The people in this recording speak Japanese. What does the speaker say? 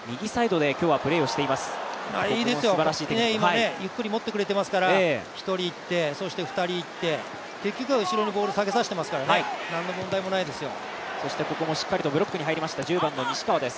今、ゆっくり持ってくれていますから１人行って、そして２人行って、結局は後ろにボールを下げさせていますから、何の問題もないですよ。